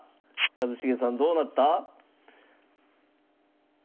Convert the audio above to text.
一茂さんどうなった？